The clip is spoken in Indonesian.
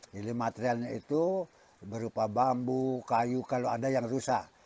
jadi materialnya itu berupa bambu kayu kalau ada yang rusak